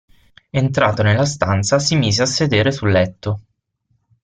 Entrato nella stanza si mise a sedere sul letto.